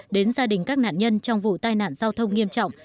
đến gia đình các nạn nhân trong vụ tai nạn giao thông nghiêm trọng